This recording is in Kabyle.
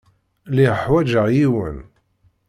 Lliɣ ḥwajeɣ yiwen.